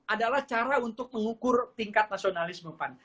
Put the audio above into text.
adalah cara untuk mengukur tingkat nasionalisme pan